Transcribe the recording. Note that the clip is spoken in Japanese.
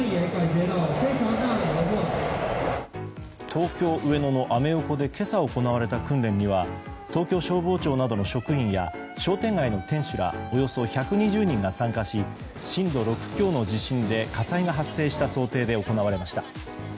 東京・上野のアメ横で今朝行われた訓練には東京消防庁などの職員や商店街の店主がおよそ１２０人が参加し震度６強の地震で火災が発生した想定で行われました。